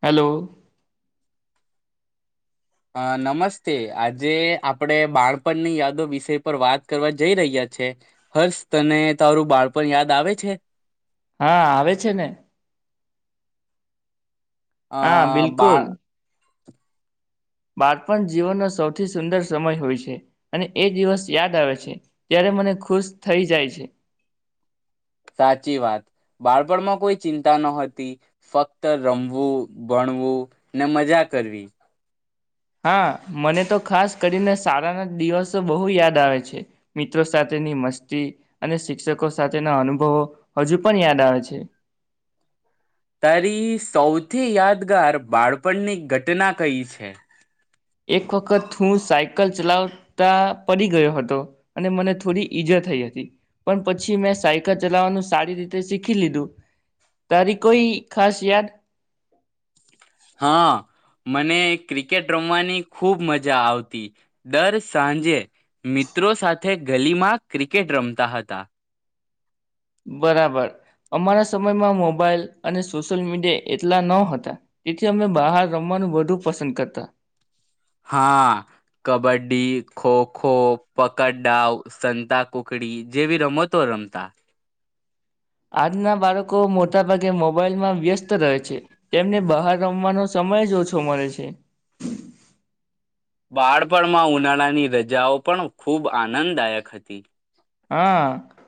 Hello અ નમસ્તે આજે આપણે બાણપણની યાદો વિષય પર વાત કરવા જઈ રહ્યા છે હર્ષ તને તારું બાણપણ યાદ આવે છે હા આવે છે ને અ હા બિલકુલ બાળ બાળપણ જીવનનો સૌથી સુંદર સમય હોય છે અને એ દિવસ યાદ આવે છે ત્યારે મને ખુશ થઈ જાય છે સાચી વાત બાળપણમાં કોઈ ચિંતા નતી ફક્ત રમવું ભણવું ને મજા કરવી હા મને તો ખાસ કરીને શાળાના દિવસો બહુ યાદ આવે છે મિત્રો સાથેની મસ્તી અને શિક્ષકો સાથેના અનુભવો હજુ પણ યાદ આવે છે તારી સૌથી યાદગાર બાળપણની ઘટના કઈ છે? એક વખત હું સાયકલ ચલાવતા પડી ગયો હતો અને મને થોડી ઈજા થઈ હતી. પણ પછી મેં સાયકલ ચલાવવાનું સારી રીતે શીખી લીધું. તારી કોઈ ખાસ યાદ? હા મને ક્રિકેટ રમવાની ખૂબ મજા આવતી દર સાંજે મિત્રો સાથે ગલીમાં ક્રિકેટ રમતા હતા. બરાબર અમારા સમયમાં મોબાઈલ અને સોશિયલ મીડિયા એટલા ન હતા તેથી અમે બહાર રમવાનું વધુ પસંદ કરતા. હા કબડ્ડી, ખોખો, પકડડાઉ, સંતા કુકડી જેવી રમતો રમતા. આજના બાળકો મોટાભાગે મોબાઈલમાં વ્યસ્ત રહે છે તેમને બહાર રમવાનો સમય જ ઓછો મળે છે. બાળપણમાં ઉનાળાની રજાઓ પણ ખૂબ આનંદદાયક હતી. હા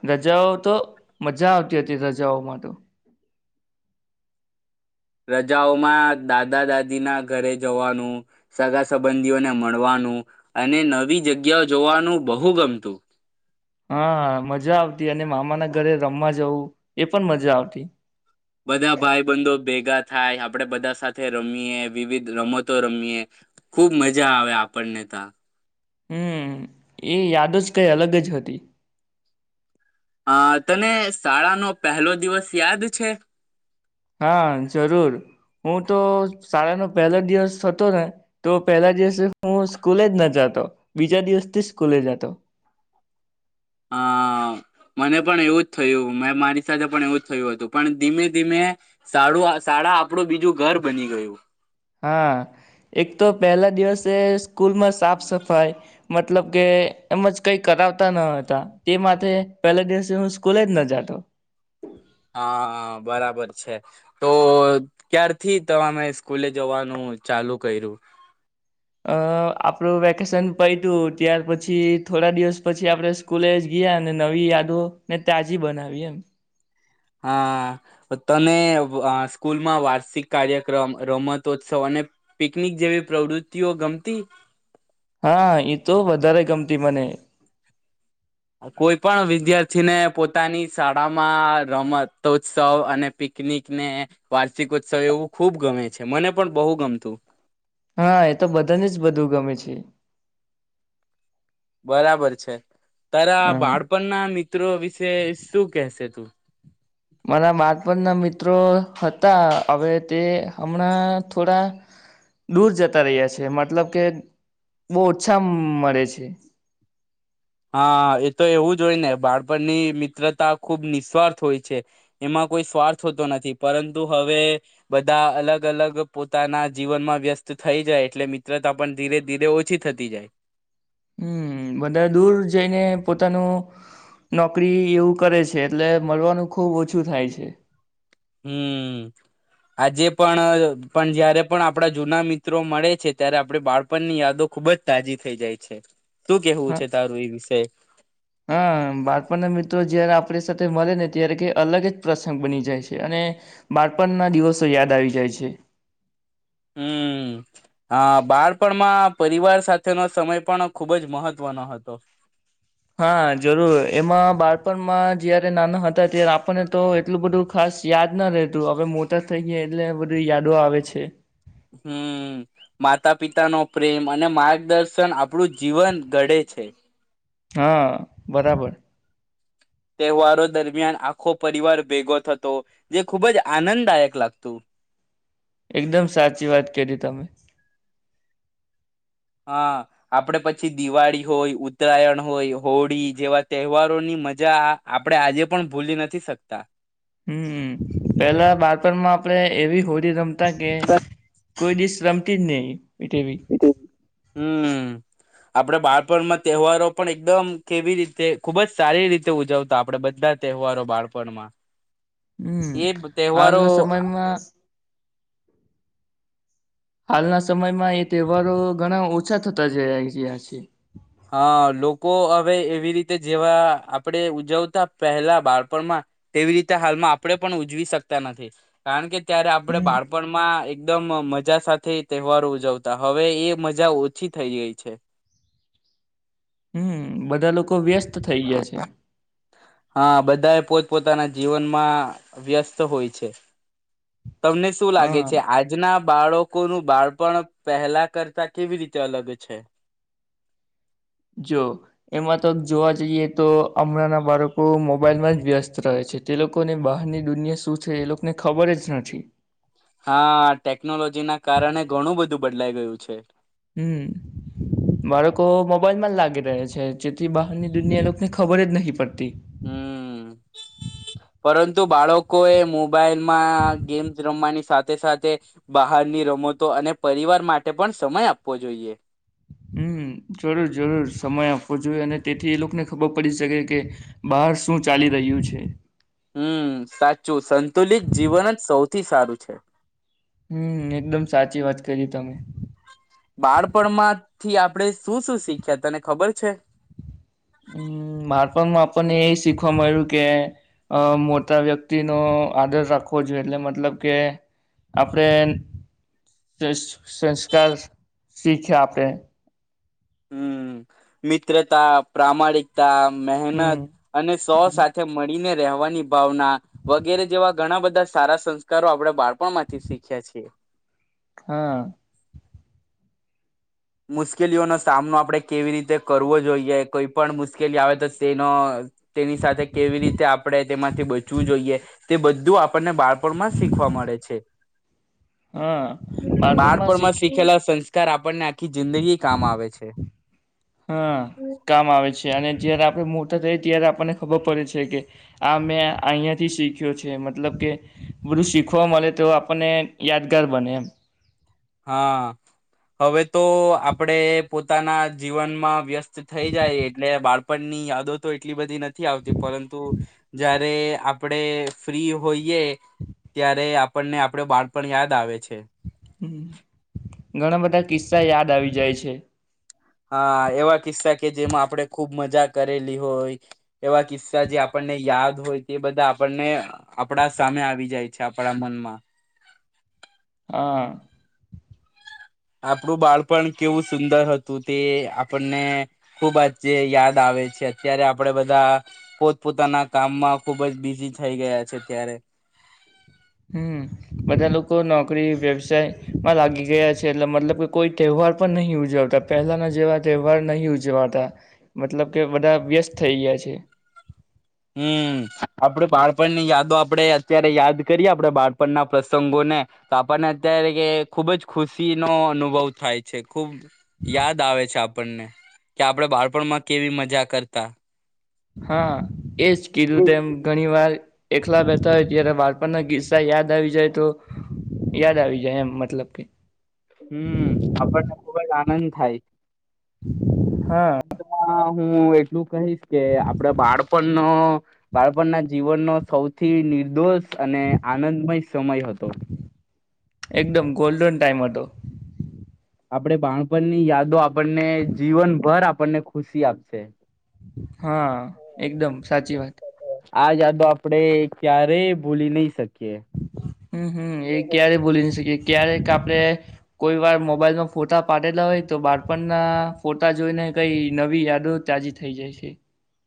રજાઓ તો મજા આવતી હતી રજાઓમાં તો. રજાઓમાં દાદા દાદીના ઘરે જવાનું, સગા સંબંધીઓને મળવાનું અને નવી જગ્યા જોવાનું બહુ ગમતું. હા મજા આવતી અને મામા ના ઘરે રમવા જવું એ પણ મજા આવતી. બધા ભાઈ બંધો ભેગા થાય આપણેે બધા સાથે રમીએ વિવિધ રમતો રમીએ ખુબ મજા આવે આપણને ત્યાં. હમ્મ, એ યાદ જ કઈ અલગ જ હતી. અ તને શાળાનો પહેલો દિવસ યાદ છે? હા જરૂર હું તો શાળાનો પહેલો દિવસ હતો ને તો પહેલા દિવસે હું સ્કૂલે જ ના જતો બીજા દિવસથી સ્કૂલે જતો. હા મને પણ એવું જ થયું મે મારી સાથે પણ એવું જ થયું હતું પણ ધીમે ધીમે શાળા આપણું બીજું ઘર બની ગયું. હા એક તો પહેલા દિવસે સ્કૂલમાં સાફ સફાઈ મતલબ કે એમજ કઈ કરાવતા ન હતા તે માટેથે પહેલા દિવસે હું સ્કૂલે જ ન જાતો. હા બરાબર છે, તો ક્યારથી તમામે સ્કૂલે જવાનું ચાલુ કર્યું? અ આપણું વેકેશન પય તું ત્યાર પછી થોડા દિવસ પછી આપડણે સ્કૂલે ગયા ને નવી યાદો ને તાજી બનાવી એમ. હા તને સ્કૂલમાં વાર્ષિક કાર્યક્રમ, રમતોત્સવ અને પિકનિક જેવી પ્રવૃતિઓ ગમતી? હા એ તો વધારે ગમતી મને. કોઈ પણ વિદ્યાર્થીને પોતાની શાળામાં રમત ઉત્સવ અને પિકનિકને વાર્ષિકોત્સવ એવું ખૂબ ગમે છે મને પણ બહુ ગમતું. હા એ તો બધાને જ બધું ગમે છે. બરાબર છે. ત હમ બાળપણના મિત મિત્રો વિશે શું કેહેશે તું. મારા બાળપણના મિત્રો હતા હવે તે હમણાં થોડા, દૂર જતા રહ્યા છે મતલબ કે બહ ઓછા મળે છે. હા એ તો એવું જ હોય ને બાળપણની મિત્રતા ખૂબ નિસ્વાર્થ હોય છે, એમાં કોઈ સ્વાર્થ હોતો નથી પરંતુ હવે, બધા અલગ અલગ પોતાના જીવનમાં વ્યસ્ત થઈ જાય એટલે મિત્રતા પણ ધીરે ધીરે ઓછી થતી જાય. હમ બધા દૂર જઈને પોતાનું, નોકરી એવું કરે છે એટલે મળવાનું ખુબ ઓછું થાય છે. હમ, આજે પણ પણ જયારે પણ આપડા જૂના મિત્રો મળે છે ત્યારે આપડ બાળપણની યાદો ખુબ જ તાજી થઈ જાય છે. શું કેવું હા, છે તારું એ વિષય હા બાળપણના મિત્રો જયારે આપ આપ સાથે મળે ને ત્યારે ક અલગ જ પ્રસંગ બની જાય છે અને, બાળપણ ના દિવસો યાદ આવી જાય છે. હમ હ બાળપણમાં પરિવાર સાથેનો સમય પણ ખુબ જ મહત્વનો હતો. હા જરૂર એમાં બાળપણમાં જયારે નાના હતા ત્યારે આપણને તો એટલું બધું ખાસ યાદ ના રહેતું હવે મોટા થઈ ગયા એટલે બધી યાદો આવે છે. હમ માતા પિતા નો પ્રેમ અને માર્ગદર્શન આપણું જીવન ઘડે છે. હા બરાબર. તહેવારો દરમિયાન આખો પરિવાર ભેગો થતો, જે ખૂબ જ આનંદદાયક લાગતું. એકદમ સાચી વાત કરી તમે. હા, આપણે પછી દિવાળી હોય ઉત્તરાયણ હોય હોળી જેવા તહેવારોની મજા આપણે આજે પણ ભૂલી નથી શકતા. હમ પેલા બળપણમાં આપડે એવી હોડી રમ તા કે કોઈ દિવસ રમતી જ નહી. તેવી હમ. આપણેે બાળપણમાં તહેવારો પણ એકદમ કેવી રીતે ખુબ જ સારી રીતે ઉજવતા આપણેે બધા તહેવારો બાળપણમાં. હમ્મ, એ તહેવારો હાલના સમયમાં હાલના સમયમાં એ તહેવારો ઘણા ઓછા થતા જયા રહયા છે. હા લોકો હવે એવી રીતે જેવા આપણે ઉજવતા પહેલા બાળપણમાં તેવી રીતે હાલમાં આપણે પણ ઉજવી શકતા નથી. કારણ કે ત્યારે આપણે હમ બાળપણમાં એકદમ મજા સાથે તહેવારો ઉજવતા હવે એ મજા ઓછી થઈ ગઈ છે. હમ્મ, બધા લોકો વ્યસ્ત થઈ ગયા છે. હા બધા એ પોત પોતાના જીવનમાં વ્યસ્ત હોય છે. તમને શું લાગે હા છે આજના બાળકોનું બાળપણ પહેલા કરતા કેવી રીતે અલગ છે? જો એમાં તો જોવા જઈએ તો હમણાંના બાળકો મોબાઈલમાં જ વ્યસ્ત રહે છે તે લોકોને બહારની દુનિયા શું છે એ લોકોને ખબર જ નથી. હા ટેકનોલોજી ના કારણે ઘણું બધું બદલાઈ ગયું છે. હમ્મ, બાળકો મોબાઈલમાં જ લાગી રહે છે જેથી બહારની દુનિયા લોકોને ખબર જ નહી પડતી. હમ્મ, પરંતુ બાળકોએ મોબાઈલમાં ગેમ્સ રમવાની સાથે સાથે બહારની રમતો અને પરિવાર માટે પણ સમય આપવો જોઈએ. હમ્મ, જરૂર જરૂર સમય આપવો જોઈએ અને તેથી એ લોકોને ખબર પડી શકે કે બહાર શું ચાલી રહ્યું છે. હમ્મ, સાચું સંતુલિત જીવન જ સૌથી સારું છે. હમ્મ એકદમ સાચી વાત કરી તમે. બાળપણમાં થી આપડણે શું શું શીખ્યા તને ખબર છે? હમ્મ બાળપણમાં આપણને એ શીખવા મળ્યું કે અ મોટા વ્યક્તિનો આદર રાખવો જોઈએ એટલે મતલબ કે આપણેે સંસ્કાર શીખ્યા આપણે. હમ્મ, મિત્રતા, પ્રમાણિકતા મહેનત હમ અને સૌ સાથે મળીને રહેવાની ભાવના વગેરે જેવા ઘણા બધા સારા સંસ્કારો આપણે બાળપણ માંથી શીખ્યા છીએ હા મુશ્કેલીઓનો સામનો આપણે કેવી રીતે કરવો જોઈએ કોઈ પણ મુશ્કેલી આવે તો તેનો તેની સાથે કેવી રીતે આપણે તેમાંથી બચવું જોઈએ તે બધું આપણને બાળપણમાં શીખવા મળે છે હા બાળપણમાં શીખેલા સં સર આપણને આખી જિંદગી કામ આવે છે હા કામ આવે છે અને જયારે આપ મોટા થઈ ત્યારે આપણને ખબર પડે છે કે આ મેં અહંયાથી શીખ્યો છે મતલબ કે બધું શીખવા મળે તો આપણને યાદગાર બને એમ હા હવે તો આપડે પોતાના જીવનમાં વ્યસ્ત થઈ જાય એટલે બાળપણ ની યાદો તો એટલી બધી ન આવતી પરંતુ જા જ્યારે આપડ ફ્રી હોઈએ ત્યારે આપણને આપડો બાણપણ યાદ આવે છે ઘણા બધા કિસ્સા યાદ આવી જાય છે હા એવા કિસ્સા કે જેમાં આપણે ખુબ મજા કરેલી હોય એવા કિસ્સા જે આપણને યાદ હોય તે બધા આપણને આપડા સામે આવી જાય છે આપણા મનમાં હા આપણું બાળપણ કેવું સુંદર હતું તે આપણને ખૂબ જ યાદ આવે છે અત્યારે આપણેે બધા પોતપોતાના કામમાં ખૂબ જ બિઝી થઈ ગયા છે ત્યારે હમ્મ બધા લોકો નોકરી વ્યવસાયમાં લાગી ગયા છે એટ મતલબ કે કોઈ તહેવાર પણ નહી ઉજવતા પહેલાના જેવા તહેવાર નહી ઉજવાતા મતલબ કે બધા વ્યસ્ત થઈ ગયા છે હમ આપડ બાળપણની યાદો આપણે અત્યારે યાદ કરીએ આપણે બાળપણના પ્રસંગોને તો આપણને અત્યારે ખુબ જ ખુશીનો અનુભવ થાય છે ખુબ યાદ આવે છે આપણને કે આપણે બાળપણમાં કેવી મજા કરતા હા એજ કીધું તેમ હમ ઘણી વાર એકલા બેતા હોય ત્યારે બાળપણના ગીસ્સા યાદ આવી જાય તો યાદ આવી જાય એમ મતલબ કે હમ્મ આપણને ખુબજ આનંદ થાય હા, અંતમાં હું એટલું કહીશ કે આપડે બાળપણનો બાળપણ ના જીવનનો સૌથી નિર્દોષ. અને આનંદમય સમય હતો. એકદમ ગોલ્ડન ટાઈમ હતો. આપણે બાણપણની યાદો આપણને જીવનભર આપણને ખુશી આપશે. હા એકદમ સાચી વાત. આ જાદુ આપડે ક્યારે ભૂલી નહી શકીએ. હમ્મ હમ્મ એ ક્યારે બોલી ન શકે. ક્યારેક આપણે કોઈ વાર મોબાઈલમાં ફોટા પાડેલા હોય તો બાળપણના ફોટા જોઈને કઈ નવી યાદો તાજી થઈ જાય છે.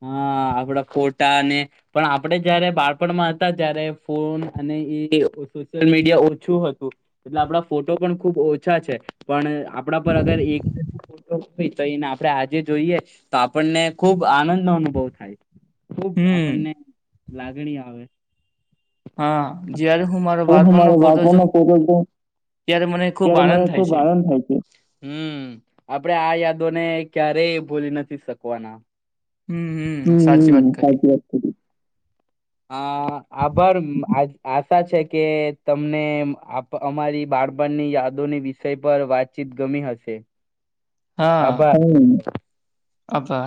હા આપડા ફોટાને પણ આપણેે જયારે બાળપણમાં હતા ત્યારે ફોન અને એ સોશિયલ મીડિયા ઓછું હતું એટલે આપણા ફોટો પણ ખૂબ ઓછા છે પણ આપણા પર અગર એક ફોટ હોય તો એને આપણે આજે જોઈએ તો આપણને ખૂબ આનંદ અનુભવ થાય. ખુબ હમ આપણને લાગણી આવે. હા જયારે હું મારો બાળપણનો મારા ફોટો બાળપણનો જોઉં ફોટો જોઉં ત્યારે મને ખૂબ ત્યારે આનંદ મને થાય ખુબ છે. આનંદ થાય છે હમ્મ આપડે આ યાદોને. ક્યારેય એ ભોલી નથી શકવાના. હમ હમ હમમમ સાચી હમમમ વાત સાચ કરી વાત અ આભાર આ આશા છે કે તમને અમારી બાળપણની યાદોની વિષય પર વાતચીત ગમી હશે. હા આબા. આભાર.